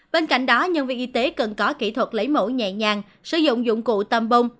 bên cạnh đó nhân viên y tế cần có kỹ thuật lấy mẫu nhẹ nhàng sử dụng dụng cụ tầm bông